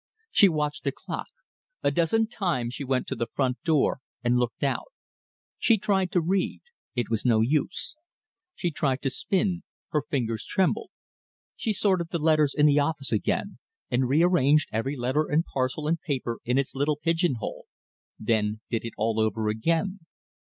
She watched the clock. A dozen times she went to the front door and looked out. She tried to read it was no use; she tried to spin her fingers trembled; she sorted the letters in the office again, and rearranged every letter and parcel and paper in its little pigeonhole then did it all over again.